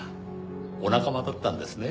お仲間だったんですね？